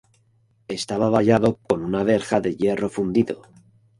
Estaba vallado con una verja de hierro fundido.